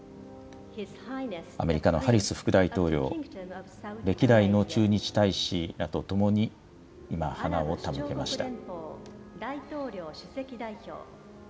アメリカのハリス副大統領、歴代の駐日大使らとともに、今、花を手向けました。